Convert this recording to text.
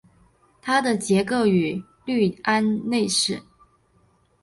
它的结构与氯胺类似。